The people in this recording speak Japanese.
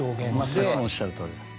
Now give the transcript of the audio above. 全くおっしゃるとおりです。